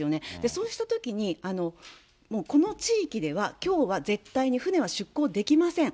そうしたときに、もうこの地域では、きょうは絶対に船は出航できません。